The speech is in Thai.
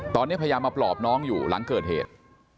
ตอนนี้พยายามมาปลอบน้องอยู่หลังเกิดเหตุ